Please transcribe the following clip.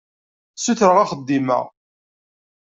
Ssutreɣ axeddim-a.